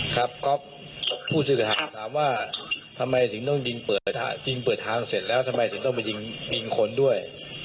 ครับก๊อฟผู้สื่อข่าวก็ถามว่าทำไมถึงต้องยิงเปิดยิงเปิดทางเสร็จแล้วทำไมถึงต้องไปยิงคนด้วย